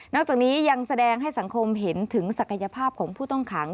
จากนี้ยังแสดงให้สังคมเห็นถึงศักยภาพของผู้ต้องขัง